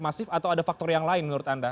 masif atau ada faktor yang lain menurut anda